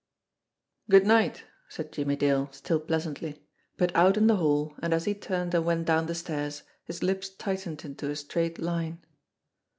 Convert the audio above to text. "Good night!" said Jimmie Dale still pleasantly; but out in the hall, and as he turned and went down the stairs, his lips tightened into a straight line.